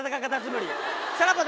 さらばだ